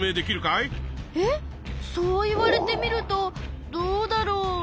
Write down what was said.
えっそう言われてみるとどうだろう？